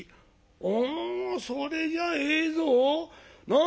「おそれじゃええぞ。なあ？